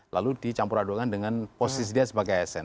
lalu dicampur adukan dengan posisi dia sebagai asn